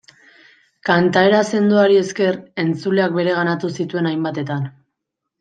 Kantaera sendoari esker, entzuleak bereganatu zituen hainbatetan.